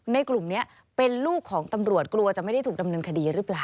กลุ่มนี้เป็นลูกของตำรวจกลัวจะไม่ได้ถูกดำเนินคดีหรือเปล่า